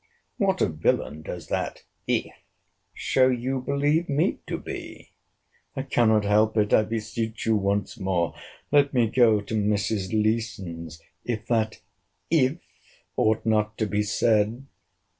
What a villain does that IF show you believe me to be! I cannot help it—I beseech you once more, let me go to Mrs. Leeson's, if that IF ought not to be said.